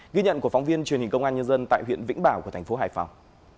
ghi nhận của phóng viên truyền hình công an nhân dân tại huyện vĩnh bảo tp hải phòng